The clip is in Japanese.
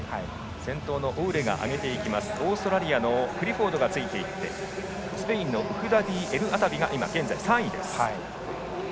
先頭のオウレが上げてオーストラリアのクリフォードが上げてスペインのウフダディエルアタビが現在３位。